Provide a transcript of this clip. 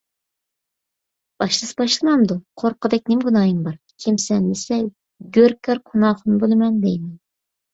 باشلىسا باشلىمامدۇ، قورققۇدەك نېمە گۇناھىم بار. «كىمسەن؟» دېسە، «گۆركار قۇناخۇن بولىمەن» دەيمەن...